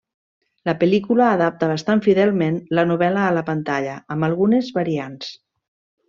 La pel·lícula adapta bastant fidelment la novel·la a la pantalla, amb algunes variants.